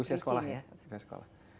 usia sekolah ya